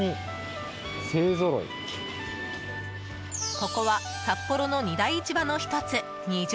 ここは札幌の二大市場の１つ二条